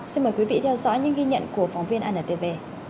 xin mời quý vị theo dõi những ghi nhận của phóng viên antv